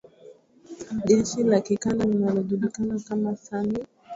Jeshi la kikanda linalojulikana kama SAMIM